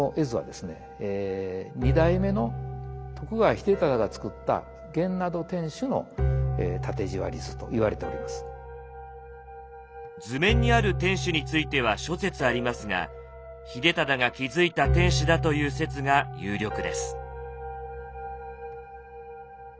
正清という人なんですけども図面にある天守については諸説ありますが秀忠が築いた天守だという説が有力です。